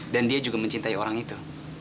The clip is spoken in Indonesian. dan dia juga mencintai orang itu